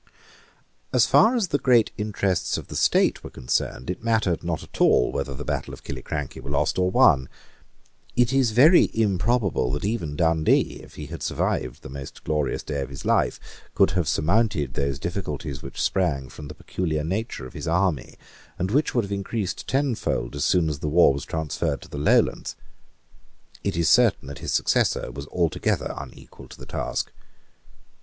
As far as the great interests of the State were concerned, it mattered not at all whether the battle of Killiecrankie were lost or won. It is very improbable that even Dundee, if he had survived the most glorious day of his life, could have surmounted those difficulties which sprang from the peculiar nature of his army, and which would have increased tenfold as soon as the war was transferred to the Lowlands. It is certain that his successor was altogether unequal to the task.